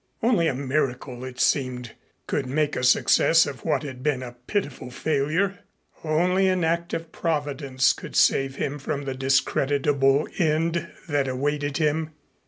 Only a miracle it seemed could make a success of what had been a pitiful failure; only an act of Providence could save him from the discreditable end that awaited him.